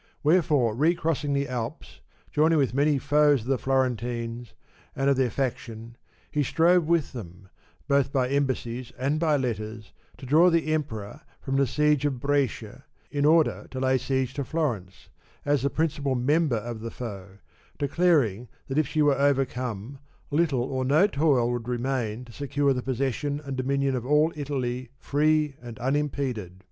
Wherefore recrossing the Alps, joining with many foes of the Florentines and of their faction, he strove with them, both by embassies and by letters to draw the Emperor from the siege of Brescia, in order to lay siege to Florence, as the principal member of the foe, declaring that if she were overcome, little or no toil would remain to secure the possession and dominion of all Italy free and unimpeded.